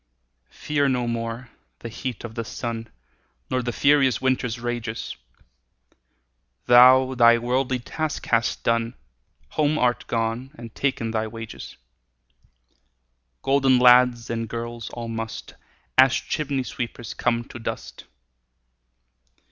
Fear no more the heat o' the sun, Nor the furious winter's rages; Thou thy worldly task hast done, Home art gone, and ta'en thy wages: Golden lads and girls all must, As chimney sweepers, come to dust.